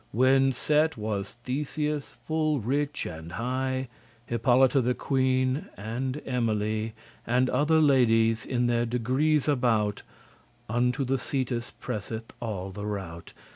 When set was Theseus full rich and high, Hippolyta the queen and Emily, And other ladies in their degrees about, Unto the seates presseth all the rout.